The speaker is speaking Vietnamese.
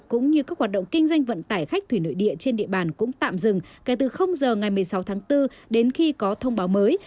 cũng như các hoạt động kinh doanh vận tải khách thủy nội địa trên địa bàn cũng tạm dừng kể từ giờ ngày một mươi sáu tháng bốn đến khi có thông báo mới